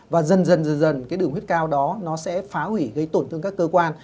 và dần dần cái đường huyết cao đó nó sẽ phá hủy gây tổn thương các cơ quan